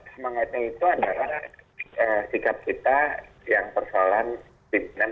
semangatnya itu adalah sikap kita yang persoalan pimpinan